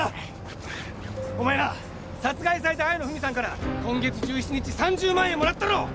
お前な殺害された綾野文さんから今月１７日３０万円もらったろ？